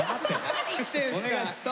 何してんすか！